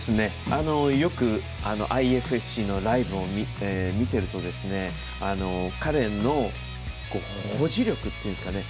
よくＩＦＳＣのライブを見ていると彼の保持力というんですかね